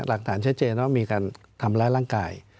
หลักฐานเฉพาะใหญ่นะครับมีการทำร้ายร่างกาย